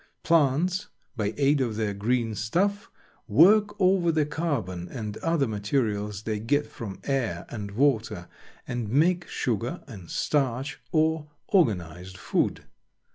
Plants, by aid of their green stuff, work over the carbon and other materials they get from air and water and make sugar and starch, or organized food.